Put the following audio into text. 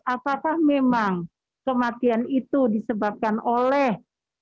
apakah memang kematian itu disebabkan oleh